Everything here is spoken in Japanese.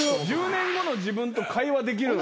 １０年後の自分と会話できる。